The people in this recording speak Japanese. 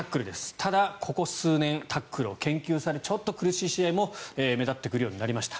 ただ、ここ数年タックルを研究されちょっと苦しい試合も目立ってくるようになりました。